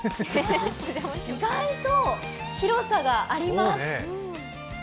意外と広さがあります。